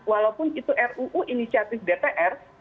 walaupun itu ruu inisiatif dpr